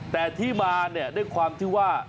แต่ที่มาเนี่ยด้วยความที่ว่า